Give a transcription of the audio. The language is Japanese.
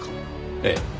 ええ。